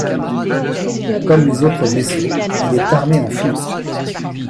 Comme les autres vaisseaux, il est armé en flûte.